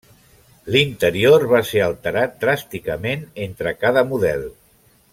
L'interior va ser alterat dràsticament entre cada model.